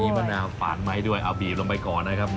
มะนาวฝาดไม้ด้วยเอาบีบลงไปก่อนนะครับ